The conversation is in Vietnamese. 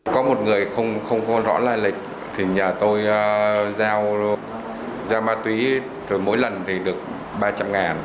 có một người không rõ lai lịch thì nhà tôi giao ma túy rồi mỗi lần thì được ba trăm linh ngàn